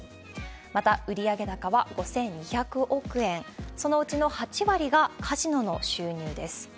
また、売上高は５２００億円、そのうちの８割がカジノの収入です。